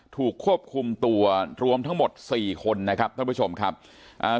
ถูกควบคุมตัวรวมทั้งหมดสี่คนนะครับท่านผู้ชมครับอ่า